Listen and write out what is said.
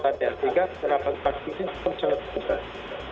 sehingga kenapa pasti ini cukup sangat susah